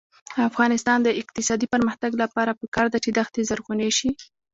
د افغانستان د اقتصادي پرمختګ لپاره پکار ده چې دښتي زرغونې شي.